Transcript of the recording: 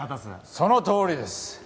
そのとおりです！